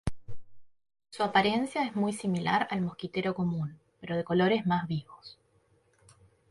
Su apariencia es muy similar al mosquitero común, pero de colores más vivos.